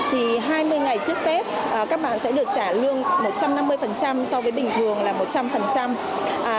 thì hai mươi ngày trước tết các bạn sẽ được trả lương một trăm năm mươi so với bình thường là một trăm linh